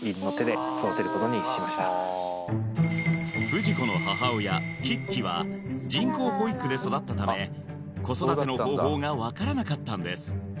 フジコの母親キッキは人工哺育で育ったため子育ての方法がわからなかったんです